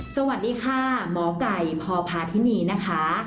สวัสดีค่ะหมอไก่พอภาษณ์ที่นี่นะคะ